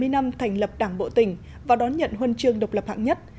bảy mươi năm thành lập đảng bộ tỉnh và đón nhận huân chương độc lập hạng nhất